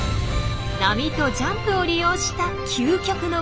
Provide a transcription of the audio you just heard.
波とジャンプを利用した究極の技。